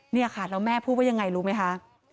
นี่ค่ะแล้วแม่พูดว่ายังไงรู้ไหมคะ